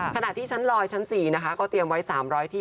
ขณะที่ชั้นลอยชั้น๔นะคะก็เตรียมไว้๓๐๐ที่